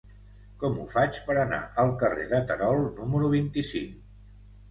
Com ho faig per anar al carrer de Terol número vint-i-cinc?